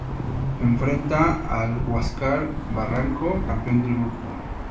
Enfrenta al Huáscar Barranco, campeón del grupo.